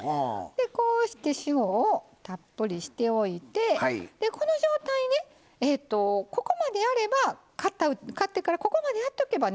こうして塩をたっぷりしておいてこの状態でここまでやれば買ってからここまでやっておけばね